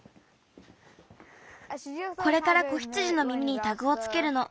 これから子羊の耳にタグをつけるの。